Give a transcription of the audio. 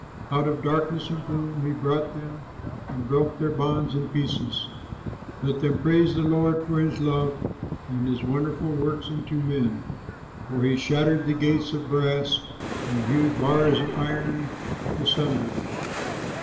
Out of darkness and gloom he brought them, And broke their bonds in pieces. Let them praise the Lord for his love, And his wonderful works unto men! For he shattered the gates of brass, And hewed bars of iron asunder.